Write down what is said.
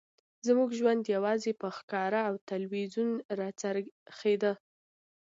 زموږ ژوند یوازې په ښکار او تلویزیون راڅرخیده